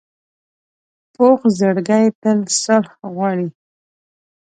پوخ زړګی تل صلح غواړي